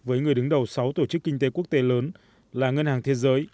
với người đứng đầu sáu tổ chức kinh tế quốc tế lớn là ngân hàng thế giới